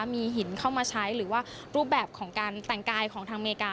มีหินเข้ามาใช้หรือว่ารูปแบบของการแต่งกายของทางอเมริกา